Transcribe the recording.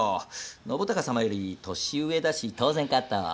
信孝様より年上だし当然かと。